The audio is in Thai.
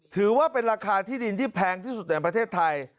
ถือว่าเป็นราคาที่ดินที่แพงที่สุดในประเทศไทย